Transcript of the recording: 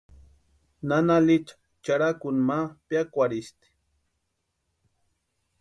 Nana Licha charhakuni ma piakwarhisti.